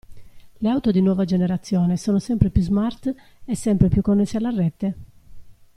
Le auto di nuova generazione sono sempre più smart e sempre più connesse alla rete?